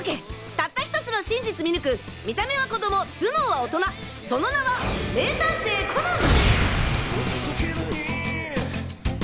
たった１つの真実見抜く見た目は子供頭脳は大人その名は名探偵コナン！